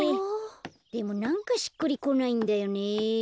でもなんかしっくりこないんだよね。